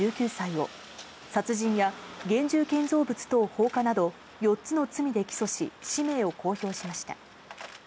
１９歳を、殺人や現住建造物等放火など、４つの罪で起訴し、氏名を公表しました。